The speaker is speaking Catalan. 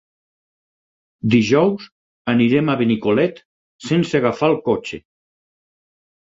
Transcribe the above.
Dijous anirem a Benicolet sense agafar el cotxe.